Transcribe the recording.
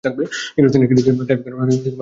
তিনি ক্যারিসের টাইপিকন রচনা করেছিলেন।